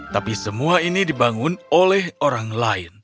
tapi semua ini dibangun oleh orang lain